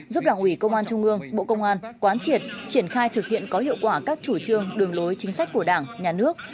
giúp đảng ủy công an trung ương bộ công an quán triệt triển khai thực hiện có hiệu quả các chủ trương đường lối chính sách của đảng nhà nước